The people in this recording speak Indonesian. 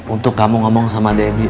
untuk kamu ngomong sama debbie